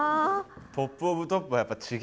トップオブトップはやっぱ違えな。